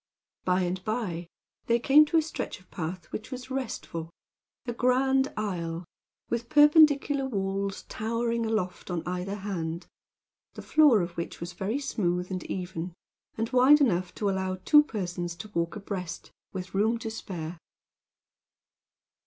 By and by they came to a stretch of path which was restful a grand aisle, with perpendicular walls towering aloft on either hand; the floor of which was very smooth and even, and wide enough to allow two persons to walk abreast, with room to spare.